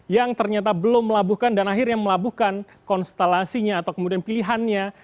yang ternyata belum melabuhkan dan akhirnya melabuhkan konstelasinya atau kemudian pilihannya